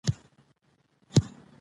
د افغانستان په منظره کې بادام ښکاره ده.